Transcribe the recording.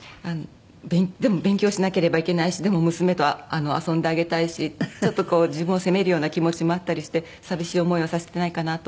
でも勉強しなければいけないしでも娘と遊んであげたいしちょっとこう自分を責めるような気持ちもあったりして寂しい思いをさせてないかな？と。